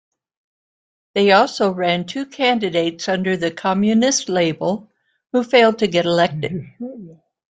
They also ran two candidates under the Communist label, who failed to get elected.